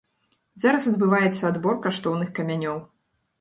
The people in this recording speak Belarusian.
Зараз адбываецца адбор каштоўных камянёў.